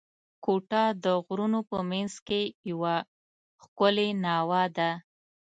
کوټه د غرونو په منځ کښي یوه ښکلې ناوه ده.